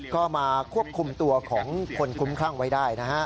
ก็มาควบคุมตัวของคนคุ้มคลั่งไว้ได้นะฮะ